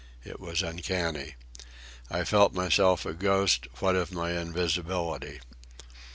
It was uncanny. I felt myself a ghost, what of my invisibility.